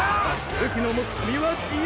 武器の持ち込みは自由！